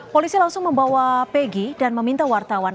polisi langsung membawa pegi dan meminta wartawan